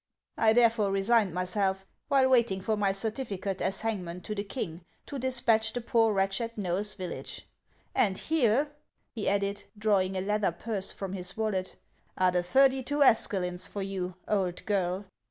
423 I therefore resigned myself, while waiting for my certifi cate as hangman to the king, to despatch the poor wretch at Nces village. And here," he added, drawing a leather purse from his wallet, " are the thirty two escalins for you, old girl."